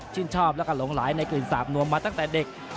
ชอบแล้วก็หลงไหลในกลิ่นสาบนวมมาตั้งแต่เด็ก